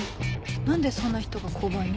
何でそんな人が交番に？